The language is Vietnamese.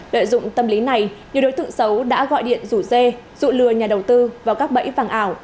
lợi dụng tâm lý này nhiều đối tượng xấu đã gọi điện rủ dê dụ lừa nhà đầu tư vào các bẫy vàng ảo